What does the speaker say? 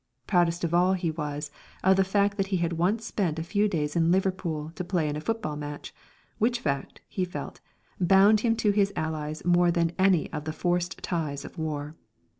Proudest of all was he of the fact that he had once spent a few days in Liverpool to play in a football match, which fact, he felt, bound him to his allies more than any of the forced ties of war.